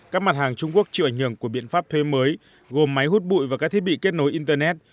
các mặt hàng trung quốc chịu ảnh hưởng của biện pháp thuê mới gồm máy hút bụi và các thiết bị kết nối internet